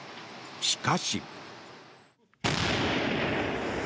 しかし。